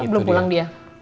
belum pulang dia